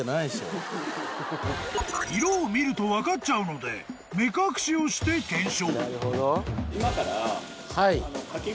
［色を見ると分かっちゃうので目隠しをして検証］